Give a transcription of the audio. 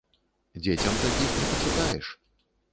Дзецям такіх не пачытаеш.